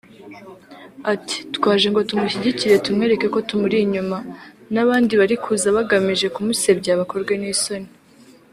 Ati “twaje ngo tumushyigikire tumwereke ko tumuri inyuma […] n’ abandi bari kuza bagamije kumusebya bakorwe n’isoni”